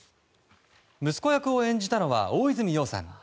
息子役を演じたのは大泉洋さん。